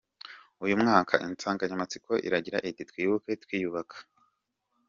Uyu mwaka, insanganyamatsiko iragira iti “Twibuke twiyubaka.